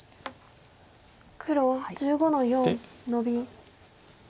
黒１５の四ノビ。